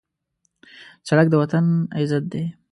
سړک د وطن عزت دی.